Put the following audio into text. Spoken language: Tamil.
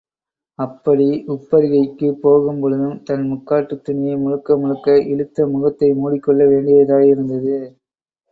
அப்படி உப்பரிகைக்குப் போகும் பொழுதும், தன் முக்காட்டுத் துணியை முழுக்க முழுக்க இழுத்து முகத்தை முடிக்கொள்ள வேண்டியதாயிருந்தது.